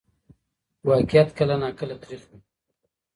واقعیت کله ناکله تریخ وي.